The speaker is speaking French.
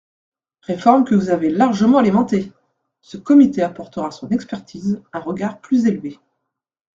Réformes que vous avez largement alimentées ! Ce comité apportera son expertise, un regard plus élevé.